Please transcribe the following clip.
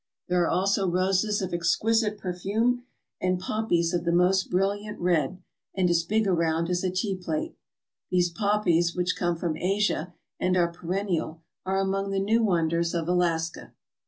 There are also roses of exquisite perfume and poppies of the most brilliant red and as big around as a tea plate. These poppies, which come from Asia and are perennial, are among the new wonders of Alaska.